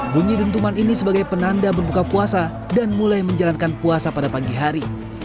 bunyi dentuman ini sebagai penanda berbuka puasa dan mulai menjalankan puasa pada pagi hari